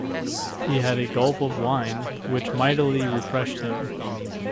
He had a gulp of wine, which mightily refreshed him.